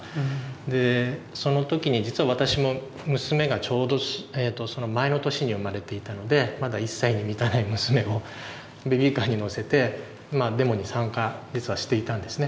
でその時に実は私も娘がちょうどその前の年に生まれていたのでまだ１歳に満たない娘もベビーカーに乗せてまあデモに参加実はしていたんですね。